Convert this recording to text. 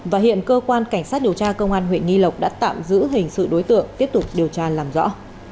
và hiện cơ quan cảnh sát điều tra công an huyện nghi lộc đã tạm giữ hình sự đối tượng tiếp tục điều tra làm rõ